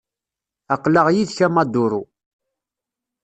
Aql-aɣ yid-k a Maduro.